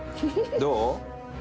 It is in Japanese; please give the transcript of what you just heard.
どう？